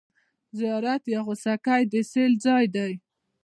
زیارت یا غوڅکۍ د سېل ځای دی.